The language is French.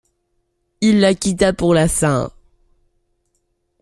Il la quitta pour la St.